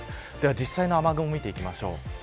実際の雨雲見ていきましょう。